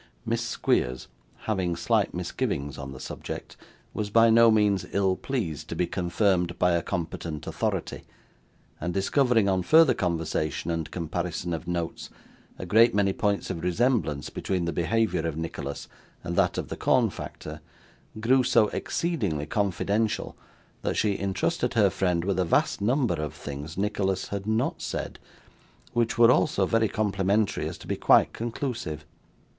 Miss Squeers, having slight misgivings on the subject, was by no means ill pleased to be confirmed by a competent authority; and discovering, on further conversation and comparison of notes, a great many points of resemblance between the behaviour of Nicholas, and that of the corn factor, grew so exceedingly confidential, that she intrusted her friend with a vast number of things Nicholas had NOT said, which were all so very complimentary as to be quite conclusive.